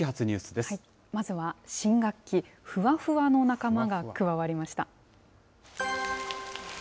まずは新学期、ふわふわの仲間が加わりました。